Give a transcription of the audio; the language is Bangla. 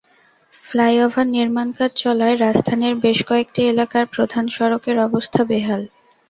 ফ্লাইওভার নির্মাণকাজ চলায় রাজধানীর বেশ কয়েকটি এলাকার প্রধান সড়কের অবস্থা বেহাল।